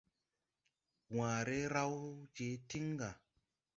Waare raw je tiŋ ga.